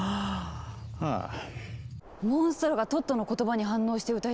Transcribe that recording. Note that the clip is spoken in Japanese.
モンストロがトットの言葉に反応して歌いだした。